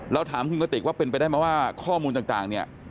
ถามคุณกติกว่าเป็นไปได้ไหมว่าข้อมูลต่างเนี่ย